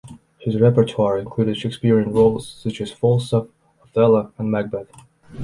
His repertoire included Shakespearean roles such as Falstaff, Othello and Macbeth.